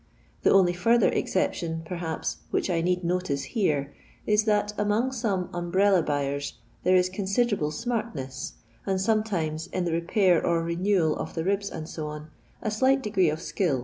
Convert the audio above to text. The only further exception, perhaps, which I need notice here is, that among some umbrella buyers, there is considenble smartness, and sometimes, in the re pair or renewal of the ribs, &&, a slight degree ofskiU.